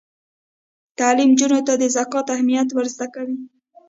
تعلیم نجونو ته د زکات اهمیت ور زده کوي.